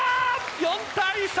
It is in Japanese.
４対３。